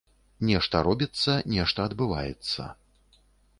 А нешта робіцца, нешта адбываецца.